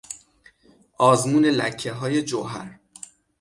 آزمون لکههای جوهر